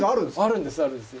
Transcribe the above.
あるんですあるんです。